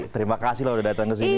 terima kasih loh udah datang ke sini